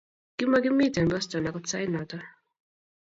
Kimagimiten Boston agot sait noto